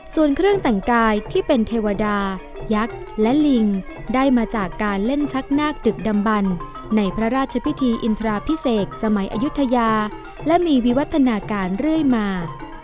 ส่วนเครื่องแต่งกายที่เป็นเทวดายักษ์และลิงได้มาจากการเล่นชักนาคดึกดำบันในพระราชพิธีอินทราพิเศษสมัยอายุทยาและมีวิวัฒนาการเรื่อยมา